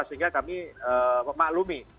sehingga kami memaklumi